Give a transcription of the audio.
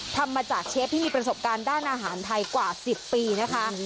ทำมาจากเชฟที่มีประสบการณ์ด้านอาหารไทยกว่า๑๐ปีนะคะ